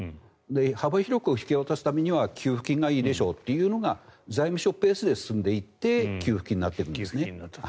幅広く引き渡すためには給付金がいいでしょというのが財務省ペースで進んでいって給付金になっているんですね。